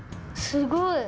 すごい。